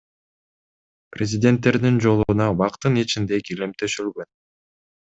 Президенттердин жолуна бактын ичинде килем төшөлгөн.